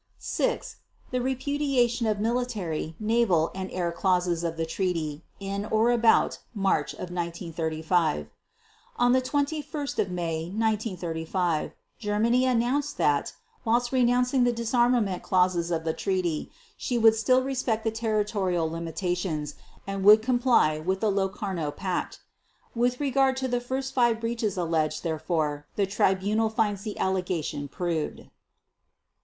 The repudiation of the military, naval, and air clauses of the Treaty, in or about March of 1935. On 21 May 1935 Germany announced that, whilst renouncing the disarmament clauses of the Treaty, she would still respect the territorial limitations, and would comply with the Locarno Pact. (With regard to the first five breaches alleged, therefore, the Tribunal finds the allegation proved.)